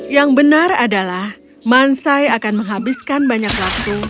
yang benar adalah mansai akan menghabiskan banyak waktu